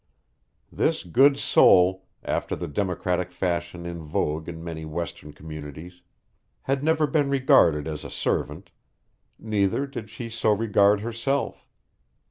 This good soul, after the democratic fashion in vogue in many Western communities, had never been regarded as a servant; neither did she so regard herself.